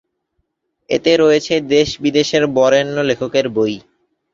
এতে রয়েছে দেশ বিদেশের বরেণ্য লেখকের বই।